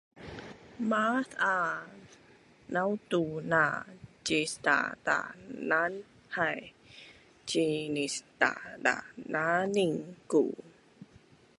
maaz a nautu na cisdadanan hai, cinisdadananin ku